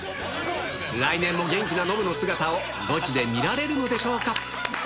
来年も元気なノブの姿をゴチで見られるのでしょうか。